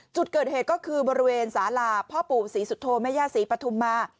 จุดเกิดเหตุก็คือบริเวณสาลาพ่อปู่ศรีสุโธแม่ย่าศรีปฐุมมา